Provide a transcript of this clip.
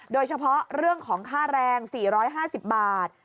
โดยเฉพาะเรื่องของค่าแรง๔๕๐บาท